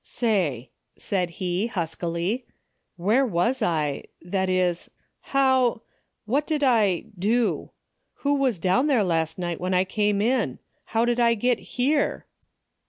" Say," said he, huskily, " where was I, that is — how, what did I — do? Who was down there last night when I came in ? How did I get here